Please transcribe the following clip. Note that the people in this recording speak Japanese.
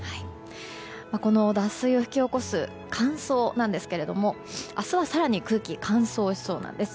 この脱水を引き起こす乾燥なんですが明日は更に空気が乾燥しそうなんです。